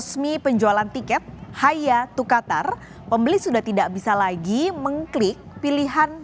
saya juga ingin mencoba pertandingan yang bagus